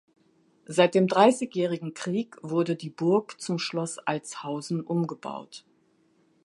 Seit dem Dreißigjährigen Krieg wurde die Burg zum Schloss Altshausen umgebaut.